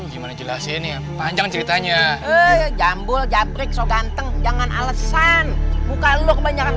gimana jelasin yang panjang ceritanya jambul caprik so ganteng jangan alesan buka lu kebanyakan